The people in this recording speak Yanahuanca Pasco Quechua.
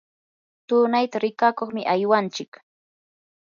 tunayta rikakuqmi aywanchik.